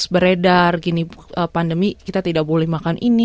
beredar gini pandemi kita tidak boleh makan ini